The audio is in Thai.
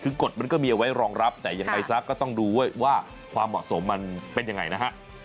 คือกฎมันก็มีเอาไว้รองรับแต่ยังไงซะก็ต้องดูด้วยว่าความเหมาะสมมันเป็นยังไงนะฮะ